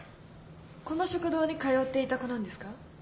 この食堂に通っていた子なんですか？